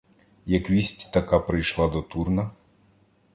Як вість така прийшла до Турна